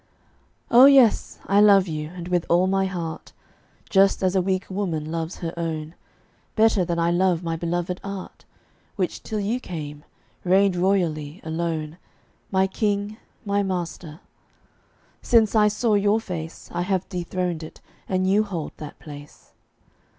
O yes, I love you, and with all my heart; Just as a weaker woman loves her own, Better than I love my beloved art, Which, till you came, reigned royally, alone, My king, my master. Since I saw your face I have dethroned it, and you hold that place.